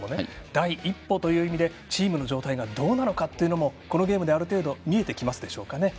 第一歩という意味でチームの状態がどうなのかというのもこのゲームで、ある程度見えてきますでしょうかね？